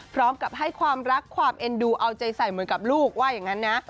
พร้อมกับให้ความรักความเอ็นดูเอาใจใส่เหมือนกับลูกว่าอย่างนั้นนะ